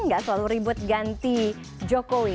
gak selalu ribut ganti jokowi